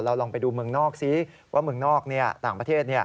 ลองไปดูเมืองนอกซิว่าเมืองนอกต่างประเทศ